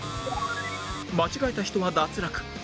間違えた人は脱落